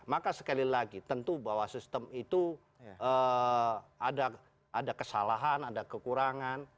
maka sekali lagi tentu bahwa sistem itu ada kesalahan ada kekurangan